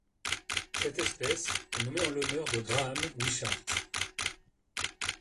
Cette espèce est nommée en l'honneur de Graham Wishart.